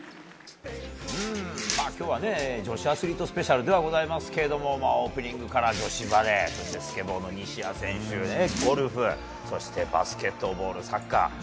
今日は女子アスリートスペシャルではございますがオープニングから女子バレースケボーの西矢選手ゴルフ、そしてバスケットボールサッカー。